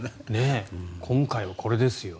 今回はこれですよ。